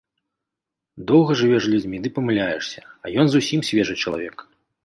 Доўга жывеш з людзьмі ды памыляешся, а ён зусім свежы чалавек.